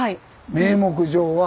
名目上は。